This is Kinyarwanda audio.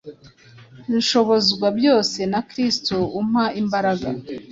"Nshobozwa byose na Kristo umpa imbaraga"